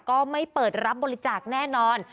ก็ไม่เปิดรับบริจาคแน่นอน